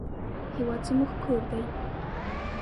هېواد زموږ کور دی